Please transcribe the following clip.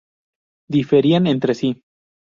Diferían entre sí.